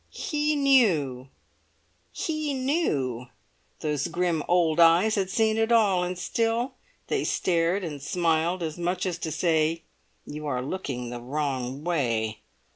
He knew—he knew—those grim old eyes had seen it all, and still they stared and smiled as much as to say: "You are looking the wrong way!